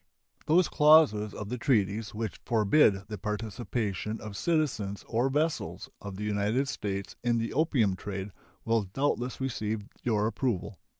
Those clauses of the treaties which forbid the participation of citizens or vessels of the United States in the opium trade will doubtless receive your approval.